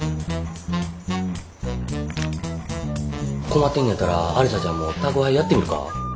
困ってんのやったらアリサちゃんも宅配やってみるか？